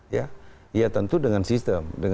ya tentu dengan sistem